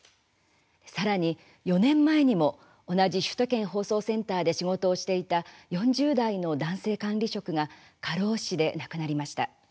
さらに、４年前にも同じ首都圏放送センターで仕事をしていた４０代の男性管理職が過労死で亡くなりました。